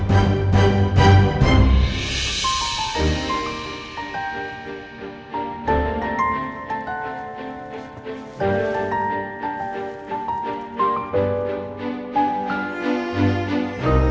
gue harus cari petunjuk lagi disini